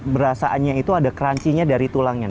berasaannya itu ada crunchiness dari tulangnya